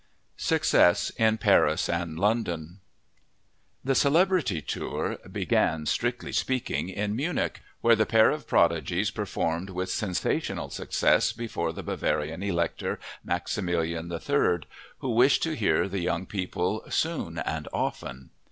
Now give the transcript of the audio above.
Success in Paris and London The "celebrity tour" began, strictly speaking, in Munich where the pair of prodigies performed with sensational success before the Bavarian Elector Maximilian III, who wished to hear the young people "soon and often."